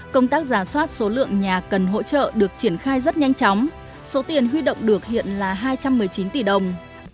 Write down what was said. công tác giả soát số lượng nhà cần hỗ trợ được triển khai rất nhanh chóng số tiền huy động được hiện là hai trăm một mươi chín tỷ đồng